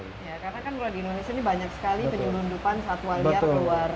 ya karena kan di indonesia ini banyak sekali penjuru undupan satwa liar keluar